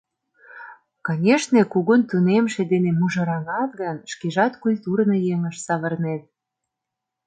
Конешне, кугун тунемше дене мужыраҥат гын, шкежат культурный еҥыш савырнет.